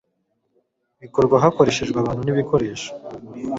bikorwa hakoreshejwe abantu n ibikoresho